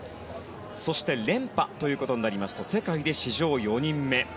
そして、連覇ということになりますと世界で史上４人目。